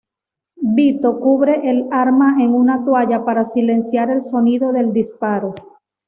Vito cubre el arma en una toalla para silenciar el sonido del disparo.